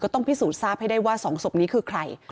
ต้องพิสูจนทราบให้ได้ว่า๒ศพนี้คือใคร